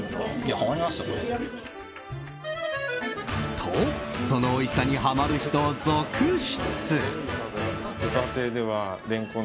と、そのおいしさにハマる人、続出。